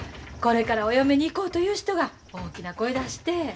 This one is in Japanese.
これからお嫁に行こうという人が大きな声出して。